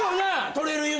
取れる夢。